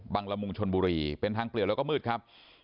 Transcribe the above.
ละมุงชนบุรีเป็นทางเปลี่ยวแล้วก็มืดครับ